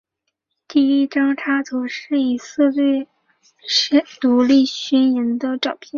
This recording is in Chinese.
第一张插图是以色列独立宣言的照片。